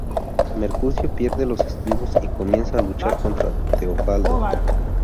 Mercucio pierde los estribos y comienza a luchar contra Teobaldo.